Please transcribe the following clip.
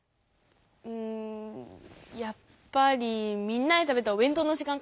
うんやっぱりみんなで食べたおべんとうの時間かな。